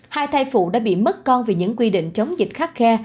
hai thai phụ đã bị mất con vì những quy định chống dịch khắc khe